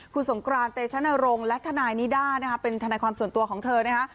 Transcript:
คุณสงกรานเตชนรงค์และทนายนิด้านะคะเป็นทนายความส่วนตัวของเธอนะคะ